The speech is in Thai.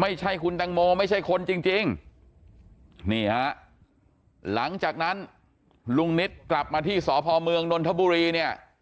ไม่ใช่คุณตังโมไม่ใช่คนจริงนี่ฮะหลังจากนั้นลุงนิดกลับมาที่สพเมืองนนทบุรีเนี่ย